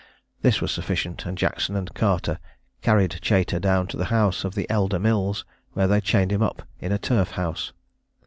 This was sufficient, and Jackson and Carter carried Chater down to the house of the elder Mills, where they chained him up in a turf house.